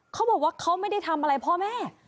เขาบอกว่าเขาไม่ได้ทำอะไรพ่อแม่